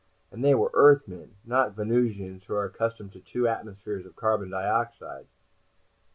And they were Earthmen, not Venusians who are accustomed to two atmospheres of carbon dioxide."